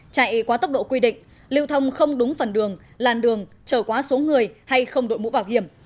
chạy quá tốc độ quy định lưu thông không đúng phần đường làn đường trở quá số người hay không đội mũ bảo hiểm